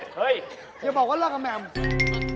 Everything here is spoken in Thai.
เฮ้ยอย่าบอกว่าเลิกกับแหม่ม